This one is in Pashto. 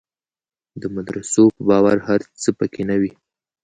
د مدرسو په باور هر څه په کې نه وي.